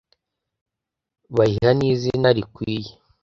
bayiha n’izina riyikwiye